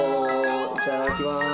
いただきます。